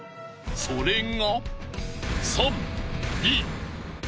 それが。